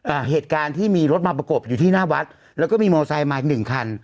อ่าเหตุการณ์ที่มีรถมาประกบอยู่ที่หน้าวัดแล้วก็มีมอไซค์มาอีกหนึ่งคัน